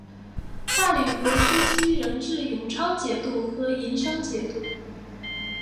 大理国初期仍置永昌节度和银生节度。